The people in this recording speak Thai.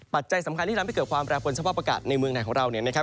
ปัจจัยสำคัญที่ทำให้เกิดความแปรปวนสภาพอากาศในเมืองไทยของเราเนี่ยนะครับ